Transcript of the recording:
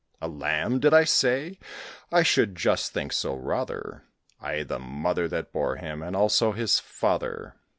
A lamb, did I say? I should just think so, rather; Aye, the mother that bore him, and also his father."